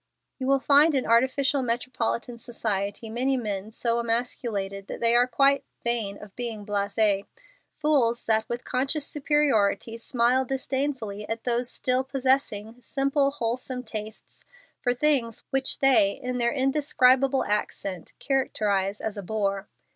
You will find in artificial metropolitan society many men so emasculated that they are quite vain of being blase fools that with conscious superiority smile disdainfully at those still possessing simple, wholesome tastes for things which they in their indescribable accent characterize as a "bore."